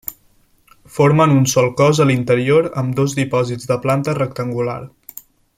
Formen un sol cos a l'interior amb dos dipòsits de planta rectangular.